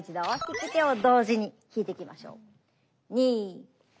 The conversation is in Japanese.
引き手を同時に引いていきましょう。